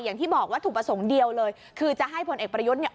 อย่างที่บอกว่าถูกประสงค์เดียวเลยคือจะให้พลเอกประยุทธ์เนี่ย